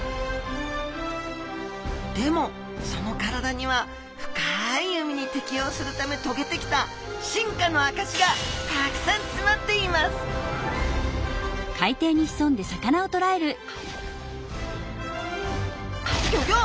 でもその体には深い海に適応するためとげてきた進化のあかしがたくさんつまっていますギョギョ！